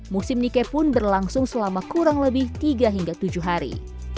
musim nike pun berlangsung selama kurang lebih tiga hingga tujuh hari